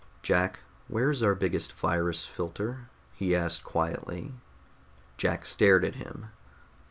"Jack, where is our biggest virus filter?" he asked quietly. Jack stared at him.